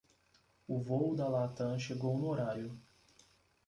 O voo da Latam chegou no horário.